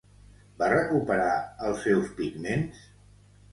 Va recuperar els seus pigments?